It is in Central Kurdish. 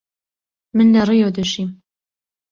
من لە ڕیۆ دەژیم.